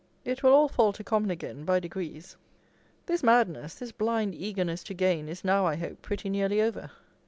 It will all fall to common again by degrees. This madness, this blind eagerness to gain, is now, I hope, pretty nearly over.